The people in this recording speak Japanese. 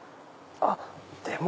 あっでも。